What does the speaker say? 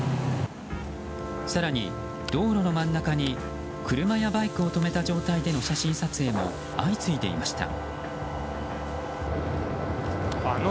更に道路の真ん中に車やバイクを止めた状態での写真撮影も相次いでいました。